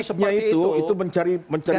logiknya itu mencari pembenaran